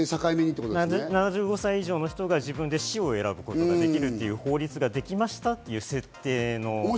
７５歳以上の人が自分で死を選ぶことができるという法律ができましたっていう設定の。